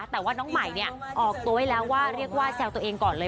แต่ว่าน้องใหม่ออกตัวไว้แล้วว่าเรียกว่าแซวตัวเองก่อนเลย